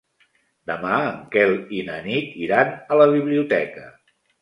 Demà en Quel i na Nit iran a la biblioteca.